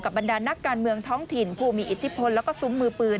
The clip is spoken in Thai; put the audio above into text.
บรรดานักการเมืองท้องถิ่นผู้มีอิทธิพลแล้วก็ซุ้มมือปืน